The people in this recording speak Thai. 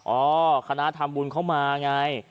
อ๋อคณะทำบุญเข้ามาไง